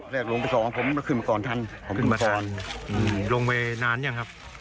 แรกลงไปของผมแล้วขึ้นมาก่อนทันขึ้นมาทันอืมลงเวย์นานยังครับ